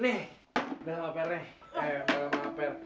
nih belakang embernya